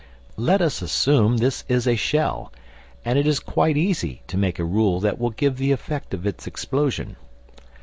Let us assume this is a shell, and it is quite easy to make a rule that will give the effect of its explosion.